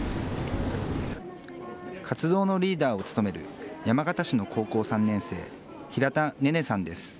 活動のリーダーを務める山形市の高校３年生、平田寧々さんです。